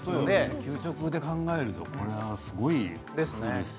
給食で考えるとこれはすごいことですよね。